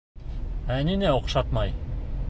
Ә ниңә оҡшатмай?